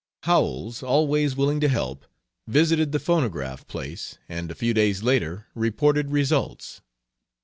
Howells, always willing to help, visited the phonograph place, and a few days later reported results.